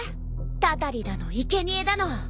たたりだのいけにえだの。